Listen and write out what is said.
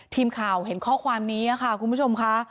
ทีมข่าวเห็นข้อความนี้ค่ะคุณผู้ชมค่ะ